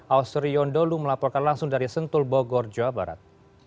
austri yondolu melaporkan langsung dari sentul bogor jawa barat